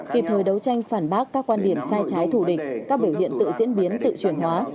kịp thời đấu tranh phản bác các quan điểm sai trái thủ địch các biểu hiện tự diễn biến tự chuyển hóa